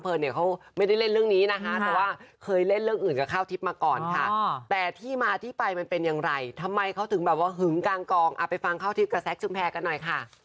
เพราะว่าลำเพิร์นเนี่ย